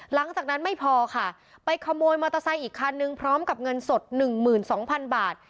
หลังจากนั้นไม่พอค่ะไปขโมยมอเตอร์ไซค์อีกคันนึงพร้อมกับเงินสด๑๒๐๐๐บาท